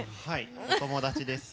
お友達です。